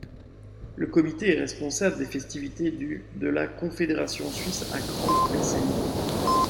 Le comité est responsable des festivités du de la Confédération suisse à Crans-près-Céligny.